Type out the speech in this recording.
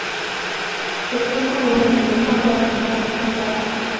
Su esposa aun así nunca fue acusada ni arrestada.